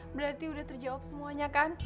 berarti sudah terjawab semuanya kan